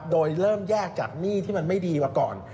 โดยเริ่มแยกจากหนี้ที่มันไม่ดีมาก่อน